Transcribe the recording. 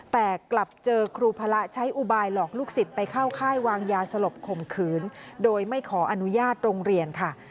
แต่กลับเจอครูพระใช้อุบายหลอกลูกศิษย์ไปเข้าค่ายวางยาสลบข่มขืนโดยไม่ขออนุญาตโรงเรียนค่ะ